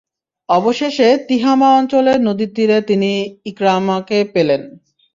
অবশেষে তিহামা অঞ্চলে নদীর তীরে তিনি ইকরামাকে পেলেন।